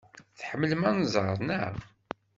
Tḥemmlem anẓar, naɣ?